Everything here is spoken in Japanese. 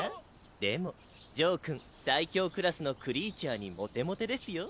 でもジョーくん最強クラスのクリーチャーにモテモテですよ？